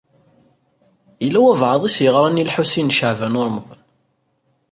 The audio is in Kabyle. Yella walebɛaḍ i s-yeɣṛan i Lḥusin n Caɛban u Ṛemḍan.